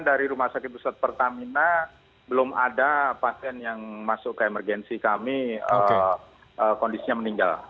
dari rumah sakit pusat pertamina belum ada pasien yang masuk ke emergensi kami kondisinya meninggal